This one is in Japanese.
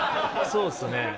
そうですね。